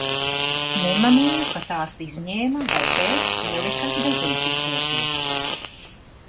Nemanīju, ka tās izņēma vai pēc ielika dezinficēties.